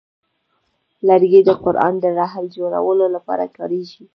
لرګی د قران د رحل جوړولو لپاره کاریږي.